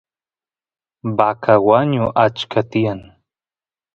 vaca wanu achka tiyan